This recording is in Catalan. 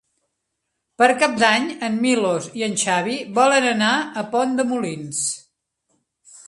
Per Cap d'Any en Milos i en Xavi volen anar a Pont de Molins.